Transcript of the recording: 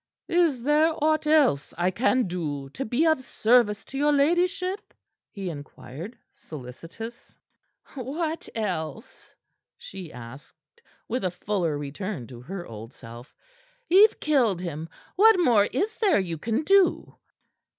"Is there aught else I can do to be of service to your ladyship?" he inquired, solicitous. "What else?" she asked, with a fuller return to her old self. "Ye've killed him. What more is there you can do?"